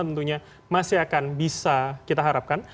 tentunya masih akan bisa kita harapkan